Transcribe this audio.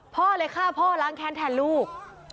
พ่อเลยฆ่าพ่อล้างแค้นแทนลูก